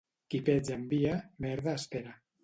Qui pets envia, merda espera.